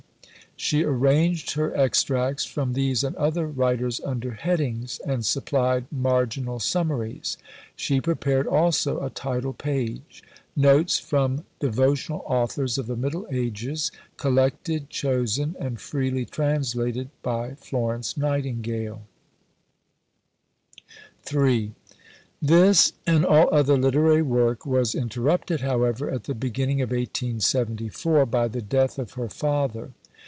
She arranged her extracts from these and other writers under headings, and supplied marginal summaries. She prepared also a title page: Notes from Devotional Authors of the Middle Ages, Collected, Chosen, and Freely Translated by Florence Nightingale. III This and all other literary work was interrupted, however, at the beginning of 1874 by the death of her father.